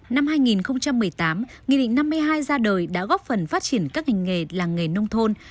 năm hai nghìn một mươi tám nghị định năm mươi hai ra đời đã góp phần phát triển các ngành nghề làng nghề nông thôn